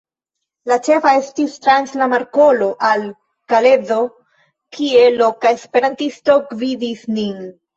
La ĉefa estis trans la Markolo al Kalezo, kie loka esperantisto gvidis nin.